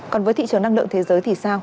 còn với thị trường năng lượng thế giới thì sao